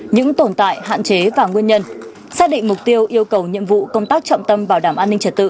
những tồn tại hạn chế và nguyên nhân xác định mục tiêu yêu cầu nhiệm vụ công tác trọng tâm bảo đảm an ninh trật tự